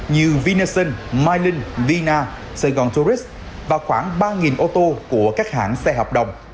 như vinason mylin vina sài gòn tourist và khoảng ba ô tô của các hãng xe hợp đồng